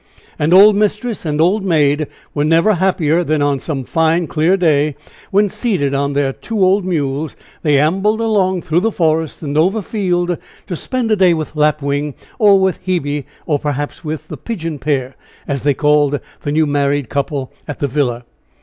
And old mistress and old maid were never happier than on some fine, clear day, when seated on their two old mules, they ambled along through forest and over field, to spend a day with Lapwing or with Hebe or perhaps with the "Pigeon Pair," as they called the new married couple at the villa.